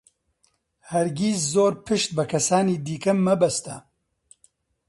هەرگیز زۆر پشت بە کەسانی دیکە مەبەستە.